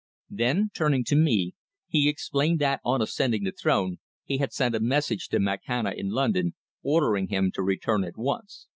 Then, turning to me, he explained that on ascending the throne he had sent a message to Makhana in London ordering him to return at once.